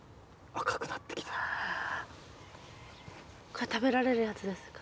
これ食べられるやつですか？